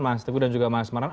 mas teguh dan juga mas manan